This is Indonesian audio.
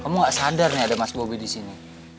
kamu gak sadar nih ada mas bobi di sini